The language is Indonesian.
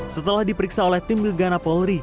setelah diperiksa oleh tim gegana polri